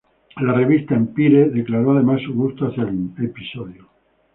La revista Empire declaró además su gusto hacia el episodio.